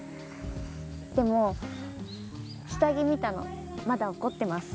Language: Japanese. でも下着見たのまだ怒ってます。